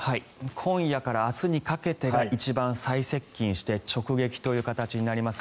今夜から明日にかけてが一番最接近して直撃という形になります。